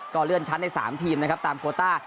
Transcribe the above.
เลื่อนชั้นใน๓ทีมนะครับตามโคต้า